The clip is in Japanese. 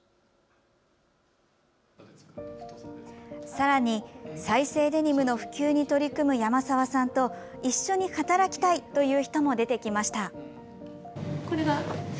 さらに、再生デニムの普及に取り組む山澤さんと一緒に働きたいという人も出てきました。